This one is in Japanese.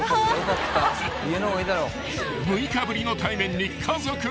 ［６日ぶりの対面に家族は］